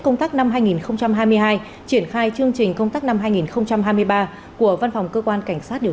công tác năm hai nghìn hai mươi hai triển khai chương trình công tác năm hai nghìn hai mươi ba của văn phòng cơ quan cảnh sát điều